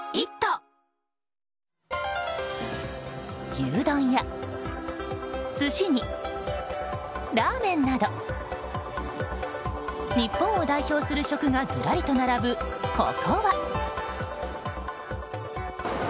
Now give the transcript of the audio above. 牛丼や寿司にラーメンなど日本を代表する食がずらりと並ぶここは。